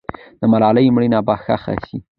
د ملالۍ مړی به ښخ سي.